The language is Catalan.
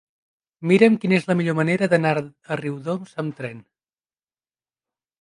Mira'm quina és la millor manera d'anar a Riudoms amb tren.